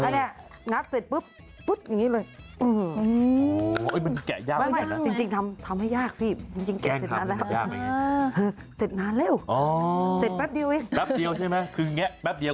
แรกสดแป๊บเสร็จปุ๊บตุ๊บอย่างงี้เลย